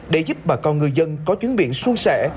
để giúp bà con người dân có chuyến biện suôn sẻ